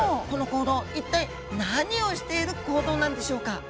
この行動一体何をしている行動なんでしょうか？